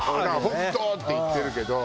「北斗！」って言ってるけど。